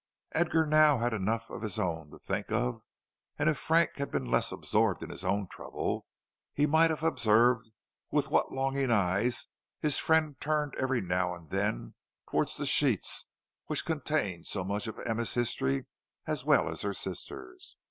Edgar now had enough of his own to think of, and if Frank had been less absorbed in his own trouble he might have observed with what longing eyes his friend turned every now and then towards the sheets which contained so much of Emma's history as well as her sister's.